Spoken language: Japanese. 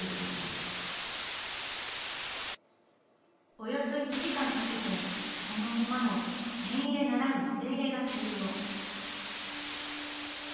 およそ１時間かけてこのコマのペン入れならぬ筆入れが終了。